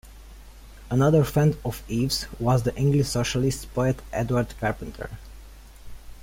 Another friend of Ives was the English socialist poet Edward Carpenter.